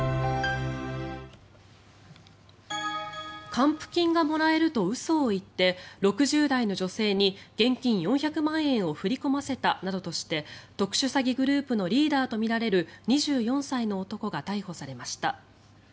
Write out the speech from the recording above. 還付金がもらえると嘘を言って６０代の女性に現金４００万円を振り込ませたなどとして特殊詐欺グループのリーダーとみられる２４歳の男が逮捕されました。